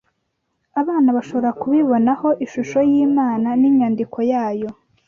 abana bashobora kubibonaho ishusho y’Imana n’inyandiko yayo.